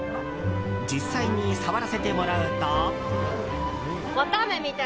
実際に触らせてもらうと。